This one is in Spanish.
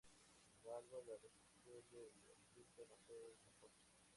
Sin embargo, la recepción de la crítica no fue la mejor.